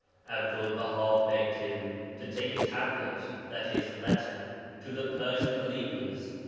Abdul Baha begged him to take a tablet (i.e. letter) to the Persian believers.